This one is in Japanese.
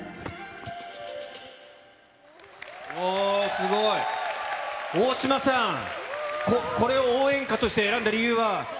すごい。大島さん、これを応援歌として選んだ理由は？